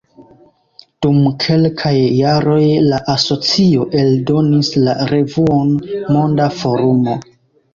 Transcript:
Dum kelkaj jaroj la asocio eldonis la revuon „Monda Forumo“.